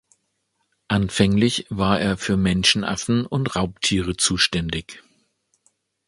Anfänglich war er für Menschenaffen und Raubtiere zuständig.